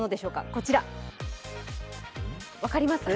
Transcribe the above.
こちら、分かります？